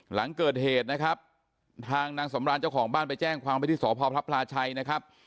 หลังเกิดเหตุนะครับทางนางสำราญเจ้าของบ้านไปแจ้งความไปที่สพพระพลาชัยนะครับ